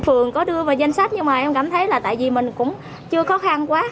phường có đưa vào danh sách nhưng mà em cảm thấy là tại vì mình cũng chưa khó khăn quá